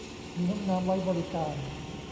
มีห้องน้ำไว้บริการ